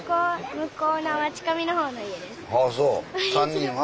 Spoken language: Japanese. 向こうのマチカミの方の家です。